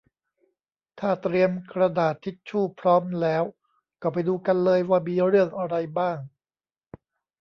ถ้าเตรียมกระดาษทิชชูพร้อมแล้วก็ไปดูกันเลยว่ามีเรื่องอะไรบ้าง